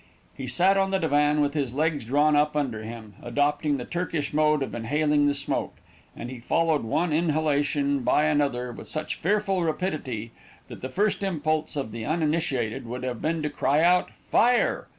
He sat on the divan, with his legs drawn up under him, adopting the Turkish mode of inhaling the smoke, and he followed one inhalation by another with such fearful rapidity that the first impulse of the uninitiated would have been to cry out fire.